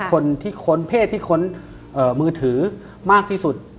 คนที่ค้นเพศที่ค้นมือถือมากที่สุด